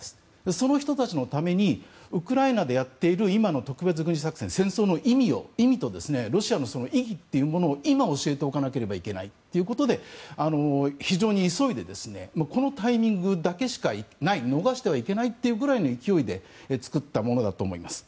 その人たちのためにウクライナでやっている今の特別軍事作戦戦争の意味とロシアの意義というものを今教えておかなければいけないということで非常に急いでこのタイミングを逃してはいけないというぐらいの勢いで作ったものだと思います。